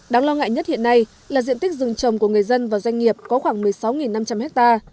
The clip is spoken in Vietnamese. đáng lo ngại nhất hiện nay là diện tích rừng trồng của người dân và doanh nghiệp có khoảng một mươi sáu năm trăm linh ha